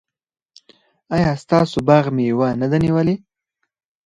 ایا ستاسو باغ مېوه نه ده نیولې؟